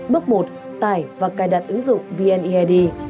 bước một tải và cài đặt ứng dụng vnead